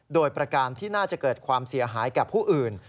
โดยประการที่น่าจะเกิดความเสียหายแก่ผู้อื่น